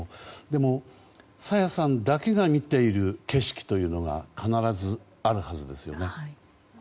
でも、朝芽さんだけが見ている景色というのが必ずあるはずですよね。